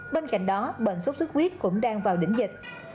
bên cạnh đó bệnh sốt sốt huyết cũng đang vào đỉnh dịch